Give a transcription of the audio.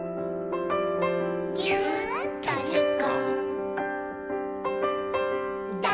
「ぎゅっとじゅっこ」